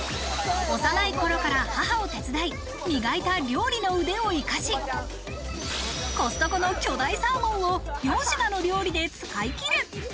幼い頃から母を手伝い磨いた料理の腕を生かし、コストコの巨大サーモンを４品の料理で使い切る！